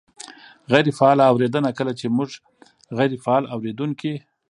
-غیرې فعاله اورېدنه : کله چې مونږ غیرې فعال اورېدونکي